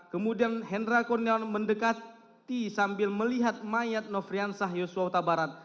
kemudian hendra kurniawan mendekati sambil melihat mayat nofrian sahyus yota barat